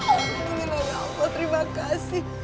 alhamdulillah allah terima kasih